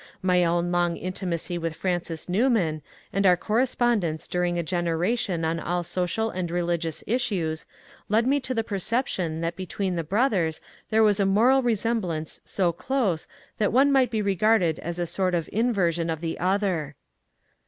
My own long intimacy with Francis New man, and our correspondence during a generation on all social and religious issues, led me to the perception that between the brothers there was a moral resemblance so close that one might be regarded as a sort of inversion of the other.